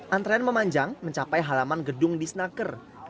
antrean memanjang mencapai halaman gedung di senaker